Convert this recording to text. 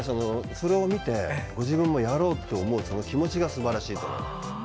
それを見てご自分もやろうと思う気持ちがすばらしいと思います。